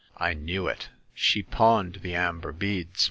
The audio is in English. I knew it !'She pawned the amber beads.